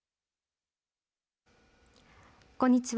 こんにちは。